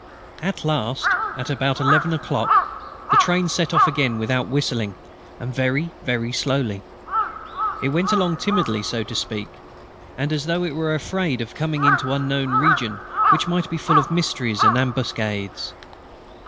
At last, at about eleven o'clock, the train set off again without whistling, and very slowly. It went along timidly, so to speak, and as though it was afraid of coming into some unknown region which might be full of mysteries and ambuscades.